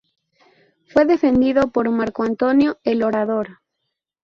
Fue defendido por Marco Antonio el Orador.